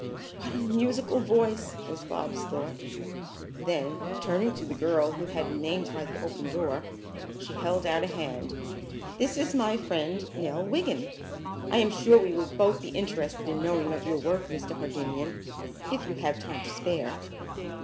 "What a musical voice!" was Bobs' thought. Then, turning to the girl who had remained by the open door, she held out a hand. "This is my friend, Nell Wiggin. I am sure that we will both be interested in knowing of your work, Mr. Hardinian, if you have time to spare."